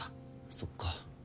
そっか。